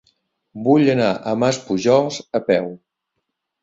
Vull anar a Maspujols a peu.